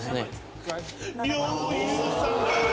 陵侑さん！